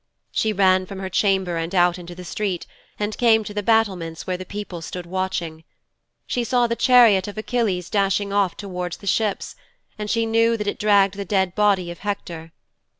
'She ran from her chamber and out into the street and came to the battlements where the people stood watching. She saw the chariot of Achilles dashing off towards the ships and she knew that it dragged the dead body of Hector.